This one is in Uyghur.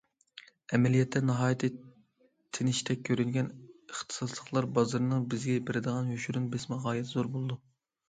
ئەمەلىيەتتە ناھايىتى تىنچتەك كۆرۈنگەن ئىختىساسلىقلار بازىرىنىڭ بىزگە بېرىدىغان يوشۇرۇن بېسىمى غايەت زور بولىدۇ.